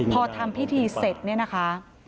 พอทำพิธีเสร็จเนี่ยนะคะ